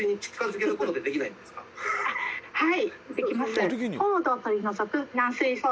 はい。